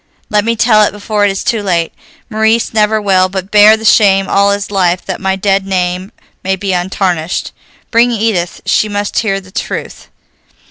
Let me tell it before it is too late! Maurice never will, but bear the shame all his life that my dead name may be untarnished. Bring Edith; she must hear the truth."